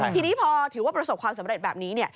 ทีนี้พอถือว่าประสบความสำเร็จแบบนี้